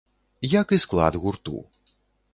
Як і склад гурту.